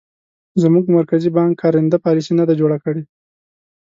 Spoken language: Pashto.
زموږ مرکزي بانک کارنده پالیسي نه ده جوړه کړې.